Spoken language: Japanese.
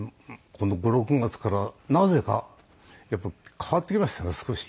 この５６月からなぜかやっぱ変わってきましたね少し。